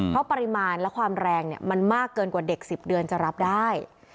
เพราะปริมาณและความแรงมันมากเกินกว่าเด็ก๑๐เดือนจะรับได้